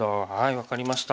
分かりました。